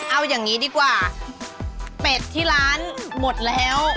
เอาอย่างนี้ดีกว่าเป็ดที่ร้านหมดแล้ว